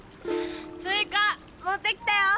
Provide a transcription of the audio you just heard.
スイカ持ってきたよ。